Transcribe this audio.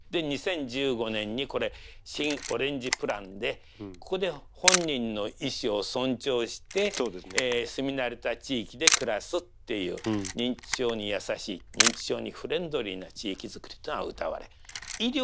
で２０１５年に新オレンジプランでここで本人の意思を尊重して住み慣れた地域で暮らすっていう認知症に優しい認知症にフレンドリーな地域づくりがうたわれた。